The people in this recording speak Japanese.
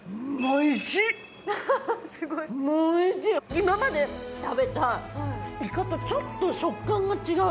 今まで食べたイカとちょっと食感が違う。